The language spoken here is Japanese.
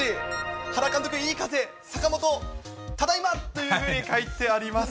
原監督、いい風、坂本、ただいまというふうに書いてあります。